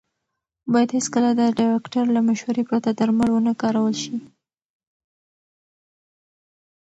باید هېڅکله د ډاکټر له مشورې پرته درمل ونه کارول شي.